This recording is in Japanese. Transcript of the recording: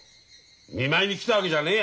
見舞いに来たわけじゃねえやい。